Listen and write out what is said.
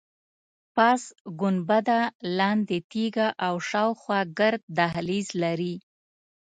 پاس ګنبده، لاندې تیږه او شاخوا ګرد دهلیز لري.